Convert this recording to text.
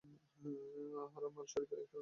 হারাম আল শরিফের এটি অন্যতম প্রাচীন স্থাপনা।